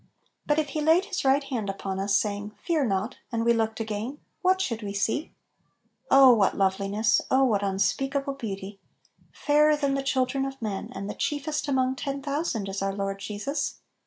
But if He laid His right hand upon us, saying, "Fear not," and we looked again, what should we see ? Oh what loveliness! oh what unspeakable beauty I " Fairer than the children of men," and "the chiefest among ten thousand/* is our Lord Jesus!